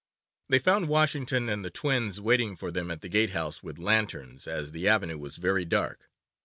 They found Washington and the twins waiting for them at the gate house with lanterns, as the avenue was very dark.